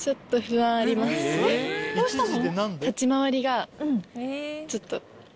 えっどうしたの？